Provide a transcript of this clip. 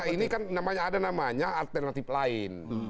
ini kan ada namanya alternatif lain